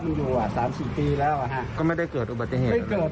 มันอยู่อ่ะสามสี่ปีแล้วอ่ะฮะก็ไม่ได้เกิดอุบัติเหตุไม่เกิด